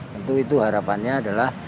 tentu itu harapannya adalah